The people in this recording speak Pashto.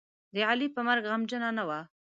د علي په مرګ غمجنـه نه وه.